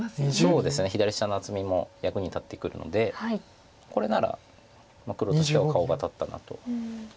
そうですね左下の厚みも役に立ってくるのでこれなら黒としては顔が立ったなと。